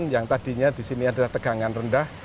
yang tadinya di sini adalah tegangan rendah